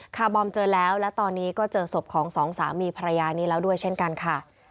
คาร์บอมเจอแล้วและตอนนี้ก็เจอศพของสองสามีภรรยานี้แล้วด้วยเช่นกันค่ะ